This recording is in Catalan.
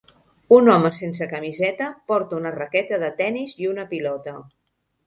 Un home sense camiseta porta una raqueta de tenis i una pilota.